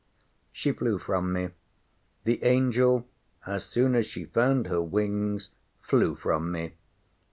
She flew from me. The angel, as soon as she found her wings, flew from me.